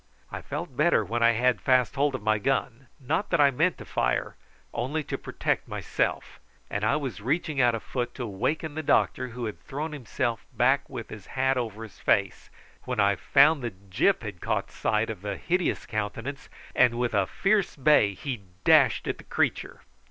I felt better when I had fast hold of my gun not that I meant to fire, only to protect myself and I was reaching out a foot to awaken the doctor, who had thrown himself back with his hat over his face, when I found that Gyp had caught sight of the hideous countenance, and, with a fierce bay, he dashed at the creature.